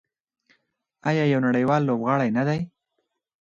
آیا یو نړیوال لوبغاړی نه دی؟